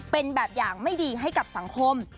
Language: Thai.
เป็นแบบอย่างไม่ดีให้กับสังคม